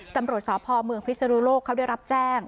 ตำรวจสพเมืองพิศนุโลกเขาได้รับแจ้ง